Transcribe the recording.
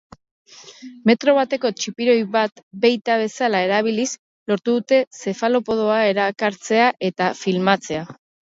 Metro bateko txipiroi bat beita bezala erabiliz lortu dute zefalopodoa erakartzea eta filmatzea.